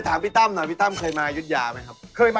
ไปพบกับพวกเขากันเลยค่ะ